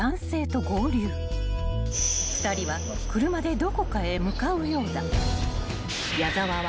［２人は車でどこかへ向かうようだ］